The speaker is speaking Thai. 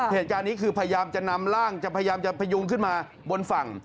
เหตุการณ์นี้คือพยายามจะนำร่างพยูงขึ้นมาบนฝั่ง